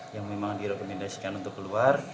yang memang direkomendasikan untuk keluar